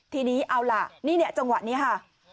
ทีนี้เอาล่ะนี่เนี่ยจังหวะนี้ค่ะ